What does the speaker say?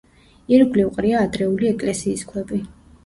ირგვლივ ყრია ადრეული ეკლესიის ქვები.